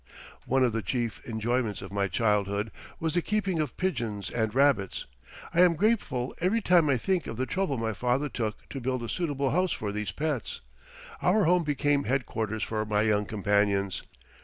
One of the chief enjoyments of my childhood was the keeping of pigeons and rabbits. I am grateful every time I think of the trouble my father took to build a suitable house for these pets. Our home became headquarters for my young companions.